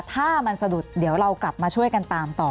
ถ้ามันสะดุดเดี๋ยวเรากลับมาช่วยกันตามต่อ